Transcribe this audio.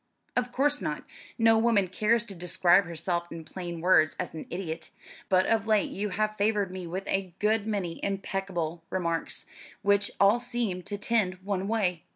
"Of course not; no woman cares to describe herself in plain words as an idiot; but of late you have favoured me with a good many imbecile remarks, which all seem to tend one way.